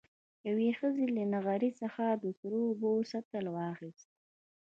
يوې ښځې له نغري څخه د سرو اوبو سطل واخېست.